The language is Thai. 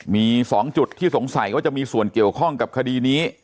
มี๒จุดที่สงสัยว่าจะมีส่วนเกี่ยวข้องกับคดีนี้